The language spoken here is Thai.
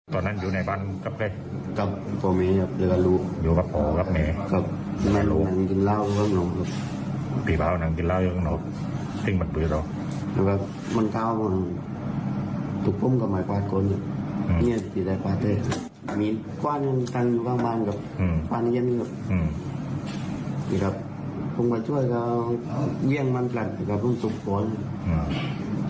ใช่ครับมีกว้านกันอยู่ข้างบ้านกับกว้านในเย็นอยู่อืมอยู่ครับผมมาช่วยเขาเยี่ยงมันกันแต่ก็พรุ่งจุบหัวอยู่อืม